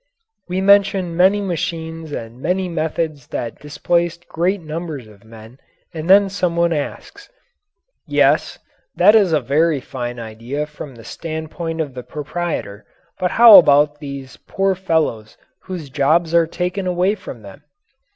We mentioned many machines and many methods that displaced great numbers of men and then someone asks: "Yes, that is a very fine idea from the standpoint of the proprietor, but how about these poor fellows whose jobs are taken away from them?"